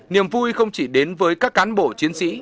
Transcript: niềm vui không chỉ đến với các cán bộ chiến sĩ